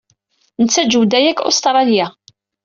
Nettaǧew-d aya seg Ustṛalya.